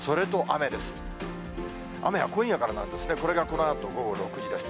雨は今夜からなんですね、これがこのあと午後６時です。